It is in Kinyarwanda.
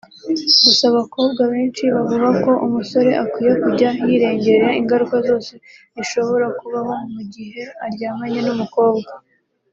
Gusa abakobwa benshi bavuga ko umusore akwiye kujya yirengera ingaruka zose zishobora kubaho mu gihe aryamanye n’umukobwa